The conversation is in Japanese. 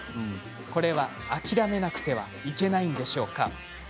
これは諦めなくてはいけないんでしょうか？